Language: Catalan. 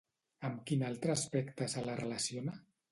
Amb quin altre aspecte se la relaciona?